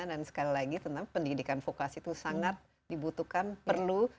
dan sekali lagi tentang pendidikan vokasi itu sangat dibutuhkan perlu